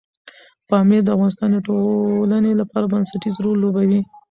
پامیر د افغانستان د ټولنې لپاره بنسټيز رول لوبوي.